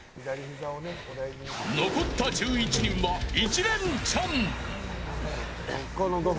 残った１１人は１レンチャン。